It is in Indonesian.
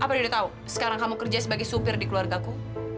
apa dia udah tahu sekarang kamu kerja sebagai supir di keluarga aku